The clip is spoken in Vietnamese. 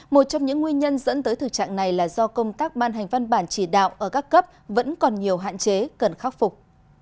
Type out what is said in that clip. một trong những nguyên nhân dẫn tới thực trạng này là do công tác ban hành văn bản chỉ đạo ở các cấp vẫn còn nhiều hạn chế cần khắc phục